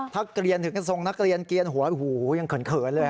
ถ้าเกลียนถึงกระทรงนักเรียนเกลียนหัวหูยังเขินเลย